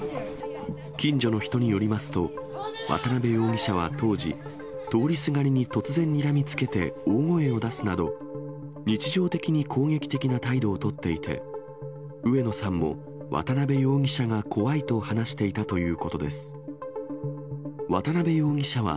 近所の人によりますと、渡部容疑者は当時、通りすがりに突然にらみつけて、大声を出すなど、日常的に攻撃的な態度を取っていて、上野さんも、渡部容疑者が怖いと話していたということです。